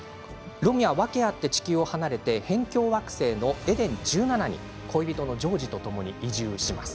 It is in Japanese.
訳あって地球を離れて辺境惑星エデン１７に恋人のジョージとともに移住します。